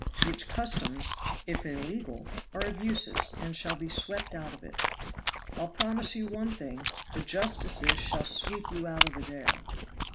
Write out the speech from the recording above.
"Which customs, if illegal, are abuses, and shall be swept out of it." "I'll promise you one thing the justices shall sweep you out of the jail."